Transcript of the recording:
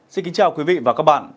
xin kính chào quý vị và các bạn